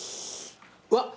うわ！